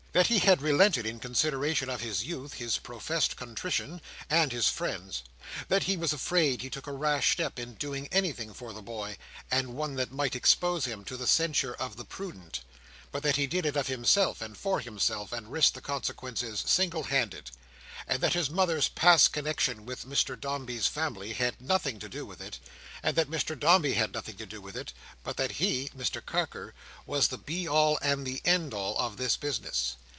That he had relented, in consideration of his youth, his professed contrition, and his friends. That he was afraid he took a rash step in doing anything for the boy, and one that might expose him to the censure of the prudent; but that he did it of himself and for himself, and risked the consequences single handed; and that his mother's past connexion with Mr Dombey's family had nothing to do with it, and that Mr Dombey had nothing to do with it, but that he, Mr Carker, was the be all and the end all of this business.